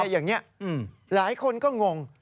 อย่างนี้หลายคนก็งง